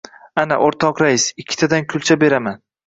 — Ana, o‘rtoq rais, ikkitadan kulcha beraman, de-